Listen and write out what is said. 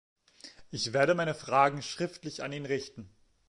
Ich werde meine Fragen schriftlich an ihn richten.